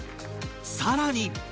さらに